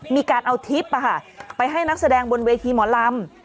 มีการเอาทริปไปให้นักแสดงบนเวทีหมอลำ